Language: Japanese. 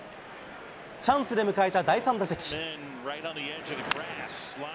チャンスで迎えた第３打席。